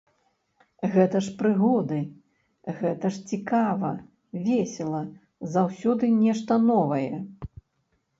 Гэта ж прыгоды, гэта ж цікава, весела, заўсёды нешта новае.